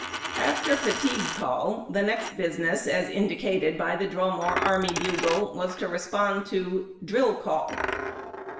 After fatigue call the next business, as indicated by the drum or army bugle, was to respond to A BAY IN CAMP.